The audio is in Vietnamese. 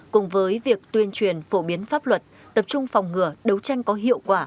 cùng với việc tuyên truyền phổ biến pháp luật tập trung phòng ngừa đấu tranh có hiệu quả